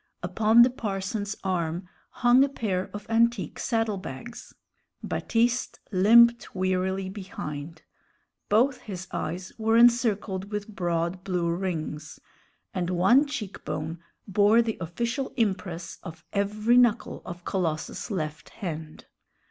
Upon the parson's arm hung a pair of antique saddle bags. Baptiste limped wearily behind; both his eyes were encircled with broad blue rings, and one cheek bone bore the official impress of every knuckle of Colossus's left hand.